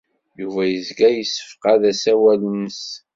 Yuba yezga yessefqad asawal-nnes.